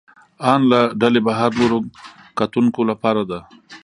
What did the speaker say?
ان له ډلې بهر نورو کتونکو لپاره ده.